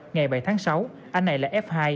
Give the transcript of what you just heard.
ngày bảy tháng sáu anh này là f hai